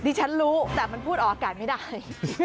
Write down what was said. ที่ฉันรู้แต่มันพูดออกกันไม่ได้